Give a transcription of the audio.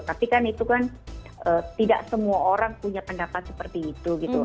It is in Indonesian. tapi kan itu kan tidak semua orang punya pendapat seperti itu gitu